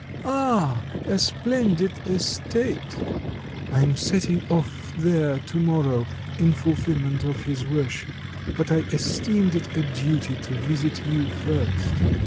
"Ah! a splendid estate!" "I am setting off there to morrow in fulfilment of his wish; but I esteemed it a duty to visit you first."